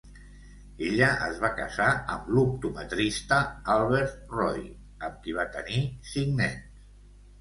Ella es va casar amb l'optometrista Albert Roy, amb qui va tenir cinc nens.